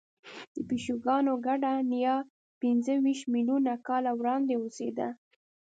د پیشوګانو ګډه نیا پنځهویشت میلیونه کاله وړاندې اوسېده.